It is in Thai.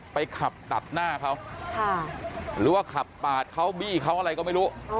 ขับตัดหน้าเขาหรือว่าขับปาดเขาบี้เขาอะไรก็ไม่รู้